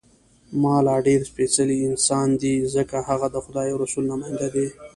ملا ډېر سپېڅلی انسان دی، ځکه هغه د خدای او رسول نماینده دی.